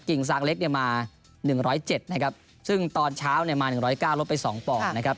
กิ่งซากเล็กมา๑๐๗นะครับซึ่งตอนเช้ามา๑๐๙ลดไป๒ปอนนะครับ